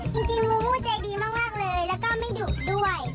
จริงมูใจดีมากเลยแล้วก็ไม่ดุด้วย